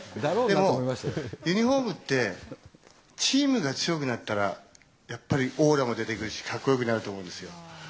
でも、ユニホームって、チームが強くなったら、やっぱりオーラも出てくるし、かっこよくなると思うんですよ。